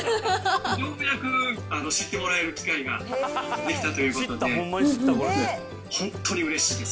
ようやく知ってもらえる機会ができたということで、本当にうれしいです。